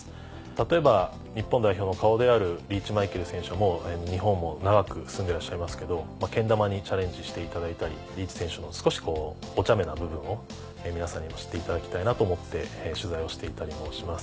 例えば日本代表の顔であるリーチマイケル選手はもう日本も長く住んでらっしゃいますけどけん玉にチャレンジしていただいたりリーチ選手の少しおちゃめな部分を皆さんにも知っていただきたいなと思って取材をしていたりもします。